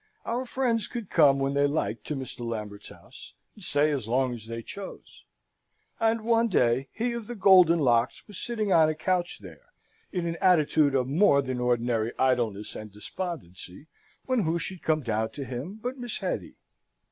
Our friends could come when they liked to Mr. Lambert's house, and stay as long as they chose; and, one day, he of the golden locks was sitting on a couch there, in an attitude of more than ordinary idleness and despondency, when who should come down to him but Miss Hetty?